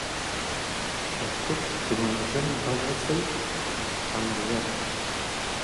تفتیش د منظمې بازرسۍ عملیه ده.